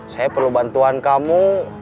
saya perlu bantuan kamu